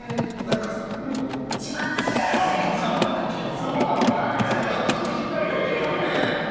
一番すごかった時のね。